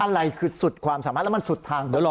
อะไรคือสุดความสามารถแล้วมันสุดทางต่อไป